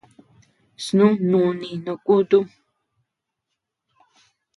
Snú núni no kutum.